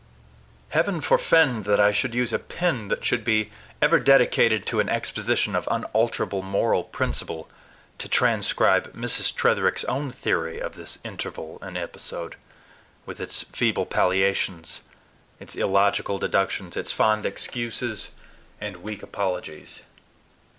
Heaven forefend that I should use a pen that should be ever dedicated to an exposition of unalterable moral principle to transcribe Mrs. Tretherick's own theory of this interval and episode, with its feeble palliations, its illogical deductions, its fond excuses, and weak apologies.